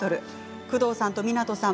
工藤さんと湊さん